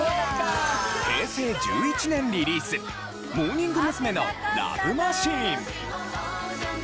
平成１１年リリースモーニング娘。の『ＬＯＶＥマシーン』。